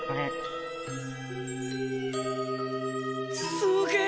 すげえ！